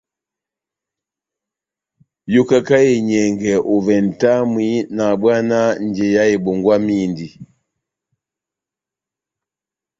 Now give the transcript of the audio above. Yokaka enyɛngɛ ovɛ nʼtamwi nahabwana njeya ebongwamindi.